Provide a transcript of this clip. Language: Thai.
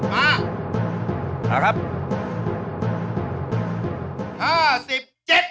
มาค่ะมาครับนะครับ